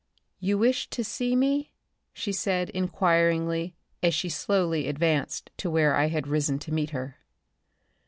"You wished to see me?" she said, inquiringly, as she slowly advanced to where I had risen to meet her.